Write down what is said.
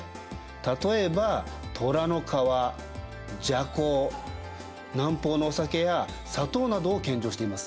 例えばトラの皮麝香南方のお酒や砂糖などを献上しています。